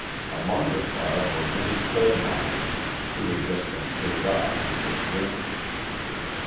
Among the crowd were many coal miners, who had just been paid off and were drinking.